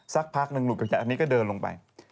สักพักหนึ่งหลุดออกจากอันนี้ก็เดินลงไป